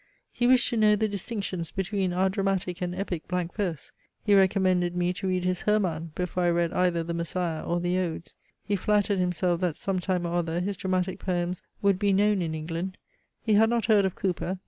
He wished to know the distinctions between our dramatic and epic blank verse. He recommended me to read his HERMANN before I read either THE MESSIAH or the odes. He flattered himself that some time or other his dramatic poems would be known in England. He had not heard of Cowper.